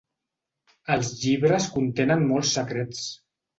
Els llibres contenen molts secrets.